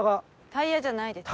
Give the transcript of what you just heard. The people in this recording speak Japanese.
タイヤじゃないです。